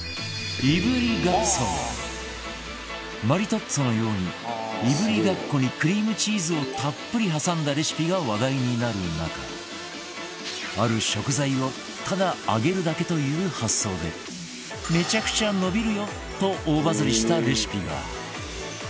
マリトッツォのようにいぶりがっこにクリームチーズをたっぷり挟んだレシピが話題になる中ある食材をただ揚げるだけという発想でめちゃくちゃ伸びるよ！と大バズりしたレシピが